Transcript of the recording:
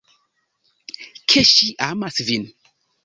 Ke ŝi amas vin.